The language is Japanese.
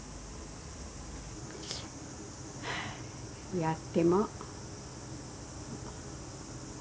やっても。